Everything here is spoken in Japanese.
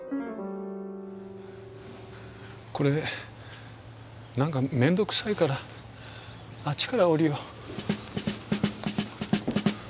これ何かめんどくさいからあっちから降りよう。